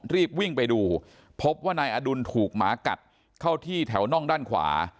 รีบวิ่งไปดูพบว่านายอดุลถูกหมากัดเข้าที่แถวน่องด้านขวา